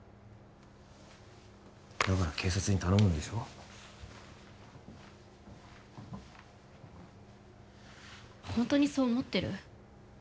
だから警察に頼むんでしょホントにそう思ってる？